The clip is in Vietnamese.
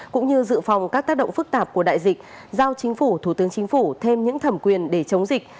cũng như dự phòng các tác động phức tạp của đại dịch giao chính phủ thủ tướng chính phủ thêm những thẩm quyền để chống dịch